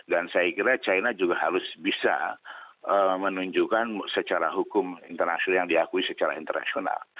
dan saya kira china juga harus bisa menunjukkan secara hukum internasional yang diakui secara internasional